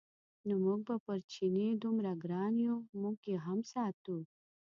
نو موږ به پر چیني څومره ګران یو موږ یې هم ساتو.